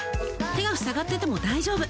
手が塞がっていても大丈夫。